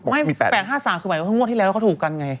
ไม่ไม่๘๕๓คือหมายถึงงวดที่แล้วเขาถูกกันไง